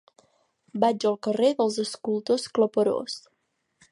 Vaig al carrer dels Escultors Claperós.